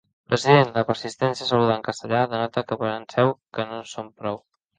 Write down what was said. President, la persistència a saludar en castellà denota que penseu que no som prou.